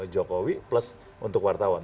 jokowi plus untuk wartawan